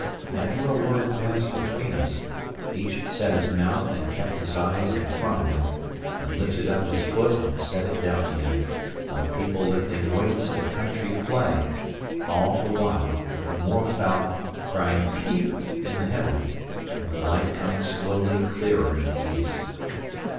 Never a word passed between us; each set his mouth and kept his eyes in front of him, and lifted up his foot and set it down again, like people lifting weights at a country play;* all the while, with the moorfowl crying "peep!" in the heather, and the light coming slowly clearer in the east.